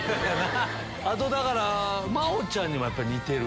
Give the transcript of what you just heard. あと真央ちゃんにも似てるし。